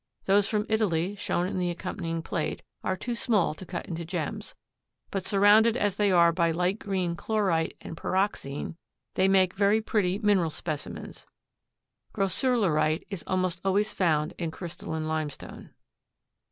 Those from Italy, shown in the accompanying plate, are too small to cut into gems, but surrounded as they are by light green chlorite and pyroxene, they make very pretty mineral specimens. Grossularite is almost always found in crystalline limestone.